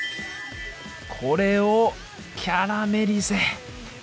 これをキャラメリゼ！